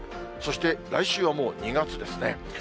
そして来週はもう、２月ですね。